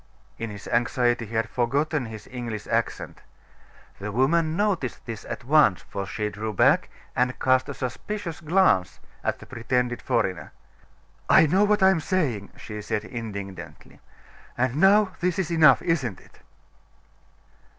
In his anxiety he had forgotten his English accent. The woman noticed this at once, for she drew back, and cast a suspicious glance at the pretended foreigner. "I know what I am saying," she said, indignantly. "And now this is enough, isn't it?"